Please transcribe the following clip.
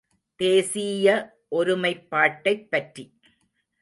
தேசீய ஒரு மைப்பாட்டைப் பற்றி.